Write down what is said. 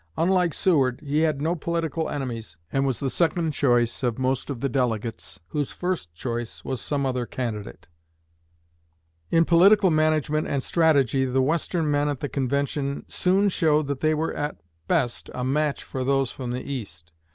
Unlike Seward, he had no political enemies, and was the second choice of most of the delegates whose first choice was some other candidate. In political management and strategy the Western men at the convention soon showed that they were at best a match for those from the East.